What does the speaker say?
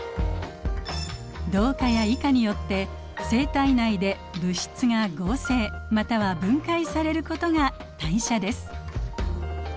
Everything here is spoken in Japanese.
同化や異化によって生体内で物質が合成または分解されることが「代謝」です。